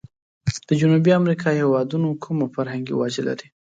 د جنوبي امريکا هیوادونو کومه فرمنګي وجه لري؟